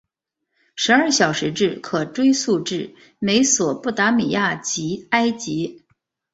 十二小时制可追溯至美索不达米亚及埃及。